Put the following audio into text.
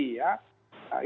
juga beberapa cctv